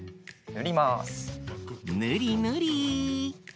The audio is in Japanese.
ぬりぬり。